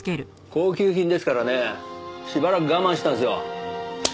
高級品ですからねしばらく我慢してたんですよ。